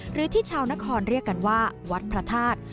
หรือที่ชาวนครเรียกกันว่าวัดพระธาตุ